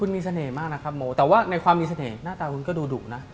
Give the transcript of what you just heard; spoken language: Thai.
มีเสน่ห์มากนะครับโมแต่ว่าในความมีเสน่ห์หน้าตาคุณก็ดูดุนะ